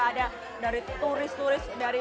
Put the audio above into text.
ada dari turis turis dari